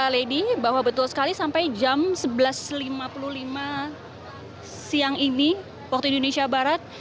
lady bahwa betul sekali sampai jam sebelas lima puluh lima siang ini waktu indonesia barat